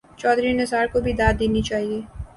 چوہدری نثار کو بھی داد دینی چاہیے۔